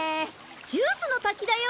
ジュースの滝だよ！